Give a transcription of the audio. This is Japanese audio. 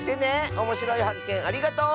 おもしろいはっけんありがとう！